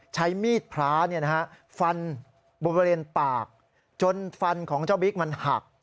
ใช้มีดพระฟันบริเวณปากจนฟันของเจ้าบิ๊กมันหัก